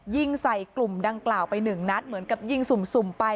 ยิงใส่กลุ่มดังกล่าวไปหนึ่งนัดเหมือนกับยิงสุ่มไป